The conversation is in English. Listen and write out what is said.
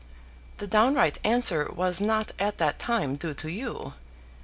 The downright answer was not at that time due to you.